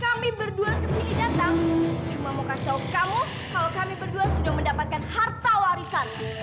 kami berdua kesini datang cuma mau kasih kamu kalau kami berdua sudah mendapatkan harta warisan